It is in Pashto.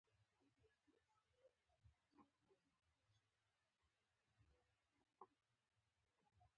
زلمی خان: بریدمنه، راځه، ده غوښتل چې له دوی څخه مې لرې کړي.